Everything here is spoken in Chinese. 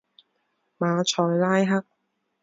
马赛拉克。